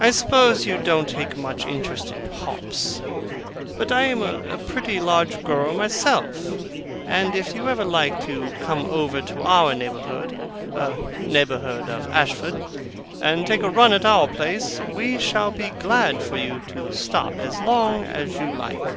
I suppose you don't take much interest in hops; but I am a pretty large grower myself; and if you ever like to come over to our neighbourhood neighbourhood of Ashford and take a run about our place, we shall be glad for you to stop as long as you like.